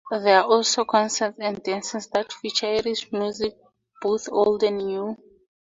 There are also concerts and dances that feature Irish music both old and new.